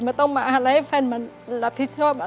ไม่ต้องมาให้ไฟนลับผิดชอบ